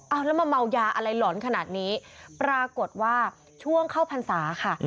เอาแล้วมาเมายาอะไรหลอนขนาดนี้ปรากฏว่าช่วงเข้าพรรษาค่ะ